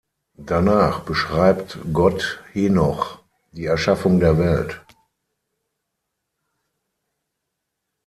Danach beschreibt Gott Henoch die Erschaffung der Welt.